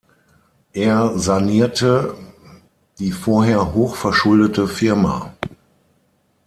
Er sanierte die vorher hoch verschuldete Firma.